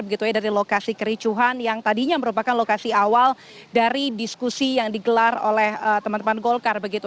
begitu ya dari lokasi kericuhan yang tadinya merupakan lokasi awal dari diskusi yang digelar oleh teman teman golkar begitu